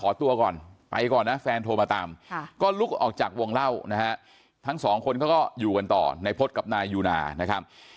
ตัวก่อนไปก่อนนะแฟนโทรมาตามก็ลุกออกจากวงเล่านะฮะทั้งสองคนเขาก็อยู่กันต่อนายพฤษกับนายยูนานะครับ